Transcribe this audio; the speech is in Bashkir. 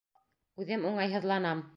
Үҙем уңайһыҙланам.